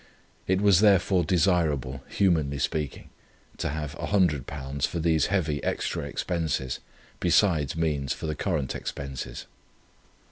It was therefore desirable, humanly speaking, to have £100 for these heavy extra expenses, besides means for the current expenses.